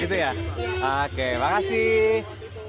gitu ya oke makasih